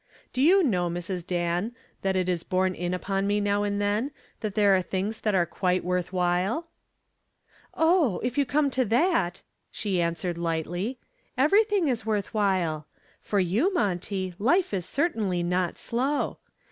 "Do you know, Mrs. Dan, that it is borne in upon me now and then that there are things that are quite worth while?" "Oh, if you come to that," she answered, lightly, "everything is worth while. For you, Monty, life is certainly not slow.